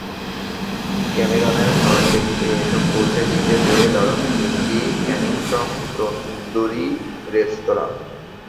ক্যামেরনের খাবার টেবিলে এসব পৌঁছে দিতে পেরে দারুণ খুশি কেনিংটন তন্দুরি রেস্তোরাঁ।